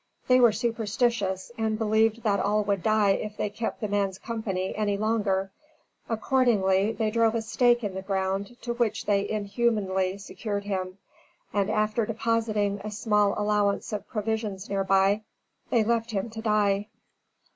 They were superstitious, and believed that all would die if they kept the man's company any longer; accordingly, they drove a stake in the ground, to which they inhumanly secured him; and, after depositing a small allowance of provisions near by, they left him to die.